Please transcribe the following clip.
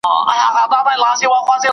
جوړ ماته هم چا کړې دي ښېرې پۀ مېخانه کښې